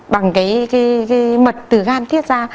bằng cái mật từ gan tiết ra